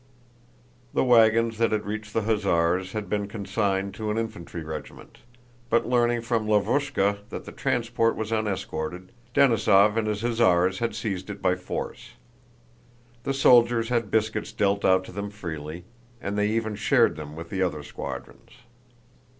The wagons that had reached the hussars had been consigned to an infantry regiment, but learning from Lavrúshka that the transport was unescorted, Denísov with his hussars had seized it by force. The soldiers had biscuits dealt out to them freely, and they even shared them with the other squadrons.